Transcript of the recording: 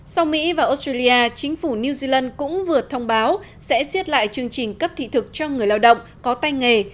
sau mỹ và australia chính phủ new zealand cũng vừa thông báo sẽ xiết lại chương trình cấp thị thực cho người lao động có tay nghề